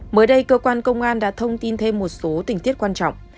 mới đây cơ quan công an đã thông tin thêm một số tình tiết quan trọng